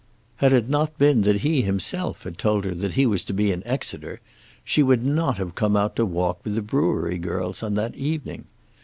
Had it not been that he himself had told her that he was to be in Exeter, she would not have come out to walk with the brewery girls on that evening.